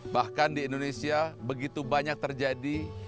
bahkan di indonesia begitu banyak terjadi